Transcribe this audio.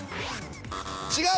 違う！